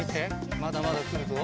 まだまだくるぞ。